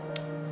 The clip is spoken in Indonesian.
aku pergi dulu